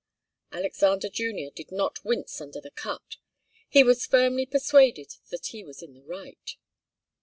Alexander Junior did not wince under the cut. He was firmly persuaded that he was in the right.